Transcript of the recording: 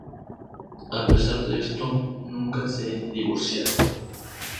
A pesar de esto, nunca se divorciaron.